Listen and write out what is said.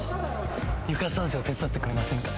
床掃除を手伝ってくれませんか？」